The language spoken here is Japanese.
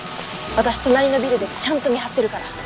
私隣のビルでちゃんと見張ってるから。